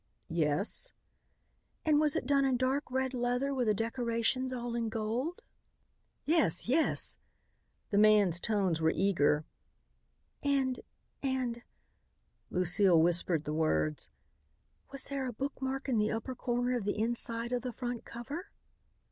"Yes." "And was it done in dark red leather with the decorations all in gold?" "Yes, yes!" the man's tones were eager. "And, and," Lucile whispered the words, "was there a bookmark in the upper corner of the inside of the front cover?"